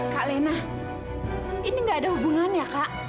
kak lena ini gak ada hubungannya kak